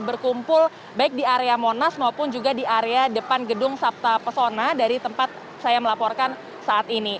berkumpul baik di area monas maupun juga di area depan gedung sabta pesona dari tempat saya melaporkan saat ini